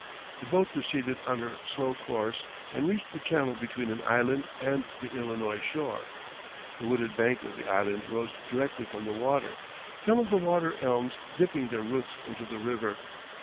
The boat proceeded on her slow course and reached the channel between an island and the Illinois shore. The wooded bank of the island rose directly from the water, some of the water elms dipping their roots into the river.